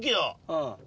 うん。